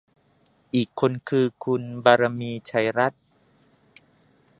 อีกคนคือ คุณบารมี ชัยรัตน์